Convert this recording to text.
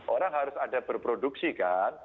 orang harus ada berproduksi kan